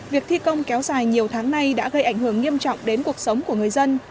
việc thi công kéo dài nhiều tháng nay đã gây ảnh hưởng nghiêm trọng đến cuộc sống của người dân